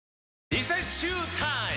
リセッシュータイム！